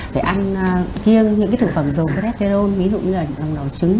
phải ăn kiêng những cái thực phẩm dùng cholesterol ví dụ như là đồng đỏ trứng